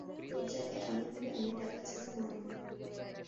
তোর জায়গায় আমি হলে আমি টাকা ছাড়া মারি না।